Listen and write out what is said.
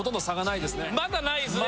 まだないですね